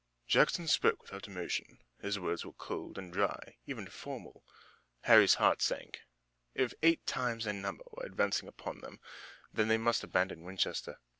Jackson spoke without emotion. His words were cold and dry, even formal. Harry's heart sank. If eight times their numbers were advancing upon them, then they must abandon Winchester.